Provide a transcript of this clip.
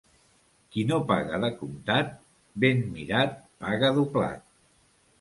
Qui no paga de comptat, ben mirat paga doblat.